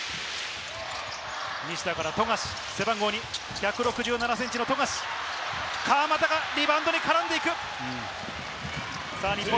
西田から富樫、背番号２、１６７センチの富樫、川真田がリバウンドに絡んでいく。